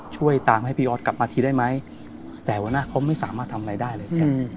ช่วยตามให้พี่ออสกลับมาทีได้ไหมแต่วันหน้าเขาไม่สามารถทำอะไรได้เลย